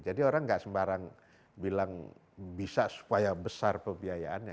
jadi orang gak sembarang bilang bisa supaya besar pembiayaannya